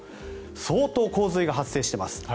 相当、洪水が発生しています。